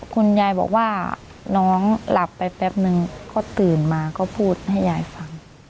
คุณยายบอกว่าน้องหลับไปแป๊บนึงก็ตื่นมาก็พูดให้ยายฟัง